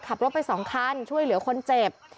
ขับรถไป๒คันช่วยเหลือคนเจ็บ